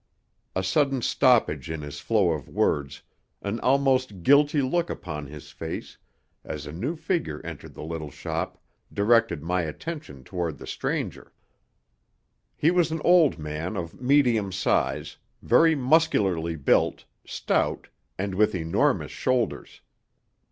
A sudden stoppage in his flow of words, an almost guilty look upon his face, as a new figure entered the little shop, directed my attention toward the stranger. He was an old man of medium size, very muscularly built, stout, and with enormous shoulders.